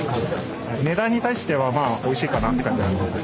値段に対してはおいしいかなって感じです。